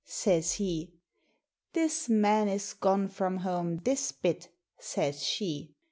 says he. 'This man is gone from home this bit,' says she.